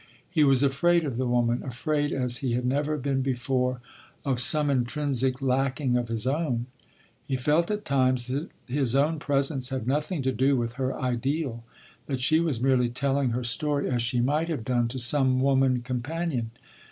He was afraid of the woman, afraid as he had never been before, of some intrinsic lacking of his own. He felt at times that his own presence had nothing to do with her ideal—that she was merely telling her story as she might have done to some woman companion.